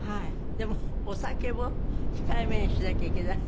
でもお酒も控えめにしなきゃいけない。